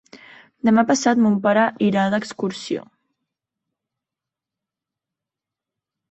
Demà passat mon pare irà d'excursió.